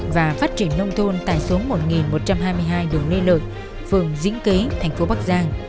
và phát triển nông thôn tại số một nghìn một trăm hai mươi hai đường lê lợi phường dĩnh kế thành phố bắc giang